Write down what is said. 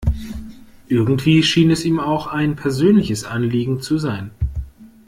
Irgendwie schien es ihm auch ein persönliches Anliegen zu sein.